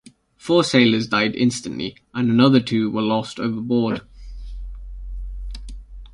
Four sailors died instantly and another two were lost overboard.